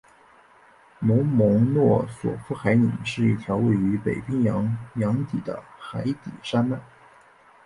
罗蒙诺索夫海岭是一条位于北冰洋洋底的海底山脉。